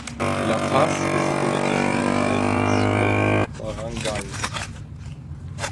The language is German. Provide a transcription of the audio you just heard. La Paz ist politisch unterteilt in zwölf Baranggays.